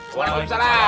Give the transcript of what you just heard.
terima kasih ya